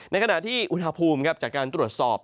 ในขณะที่อุณหภูมิจากการตรวจสอบ